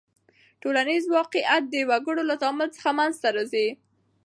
ټولنیز واقعیت د وګړو له تعامل څخه منځ ته راځي.